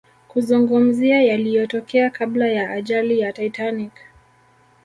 kuzungumzia yaliyotokea kabla ya ajali ya Titanic